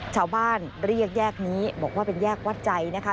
ชาวบ้านเรียกแยกนี้บอกว่าเป็นแยกวัดใจนะคะ